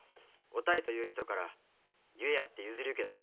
お妙という人からゆえあって譲り受けた。